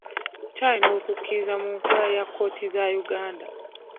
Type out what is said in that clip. Nkyalina okukkiriza mu nkola ya kkooti za Uganda.